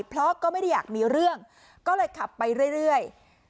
เพราะก็ไม่ได้อยากมีเรื่องก็เลยขับไปเรื่อย